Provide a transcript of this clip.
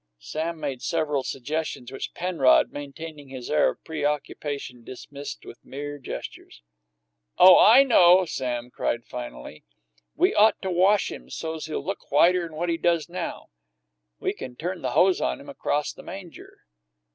Sam made several suggestions, which Penrod maintaining his air of preoccupation dismissed with mere gestures. "Oh, I know!" Sam cried finally. "We ought to wash him so's he'll look whiter'n what he does now. We can turn the hose on him acrost the manger."